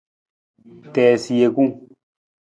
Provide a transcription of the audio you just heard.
Tiisa jekung.